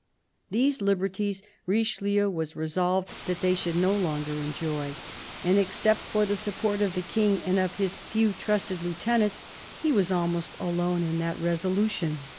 These liberties Richelieu was resolved that they should no longer enjoy. And except for the support of the King and of his few trusted lieutenants, he was almost alone in that resolution.